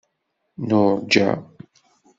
Nurǧa.